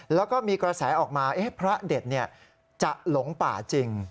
แล้วก็มีกระแสออกมาพระเด็ดจะหลงป่าจริง